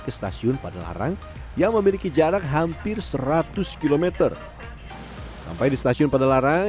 ke stasiun padalarang yang memiliki jarak hampir seratus km sampai di stasiun padalarang